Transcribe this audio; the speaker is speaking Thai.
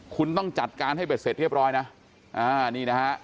คุณต้องจัดการให้เบ็ดเสร็จเรียบร้อยนะอ่านี่นะฮะ